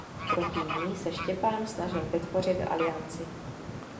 Proti ní se Štěpán snažil vytvořit alianci.